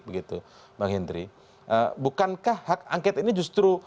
bukankah hak angket ini justru